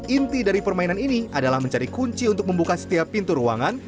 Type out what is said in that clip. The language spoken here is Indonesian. inti dari permainan ini adalah mencari kunci untuk membuka setiap pintu ruangan